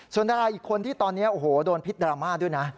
ส่วนดาราอีกคนที่ตอนนี้โอ้โหโดนพิษดราม่าด้วยนะ